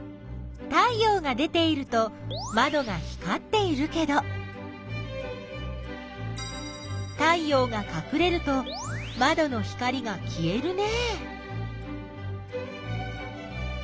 太陽が出ているとまどが光っているけど太陽がかくれるとまどの光がきえるね。